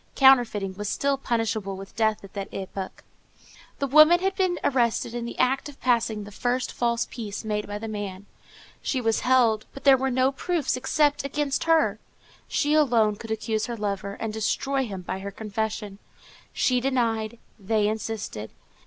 Counterfeiting was still punishable with death at that epoch. The woman had been arrested in the act of passing the first false piece made by the man. She was held, but there were no proofs except against her. She alone could accuse her lover, and destroy him by her confession. She denied; they insisted.